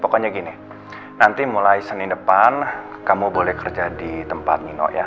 pokoknya gini nanti mulai senin depan kamu boleh kerja di tempat nino ya